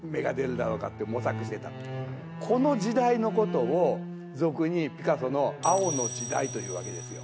この時代のことを俗にピカソの青の時代と言うわけですよ。